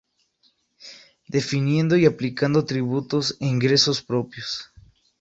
Definiendo y aplicando tributos e ingresos propios.